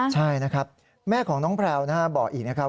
ใช่นะครับแม่ของน้องแพลวบอกอีกนะครับ